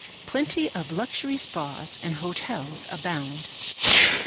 Plenty of luxury spas and hotels abound.